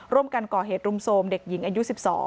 ร่วมกันก่อเหตุรุมโทรมเด็กหญิงอายุ๑๒